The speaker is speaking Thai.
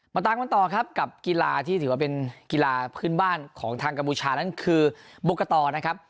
ตามกันต่อครับกับกีฬาที่ถือว่าเป็นกีฬาพื้นบ้านของทางกัมพูชานั้นคือโบกตนะครับ